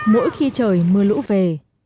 mỗi khi trời mưa lũ về